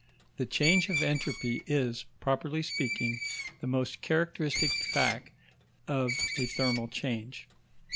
The change of entropy is, properly speaking, the most characteristic fact of a thermal change.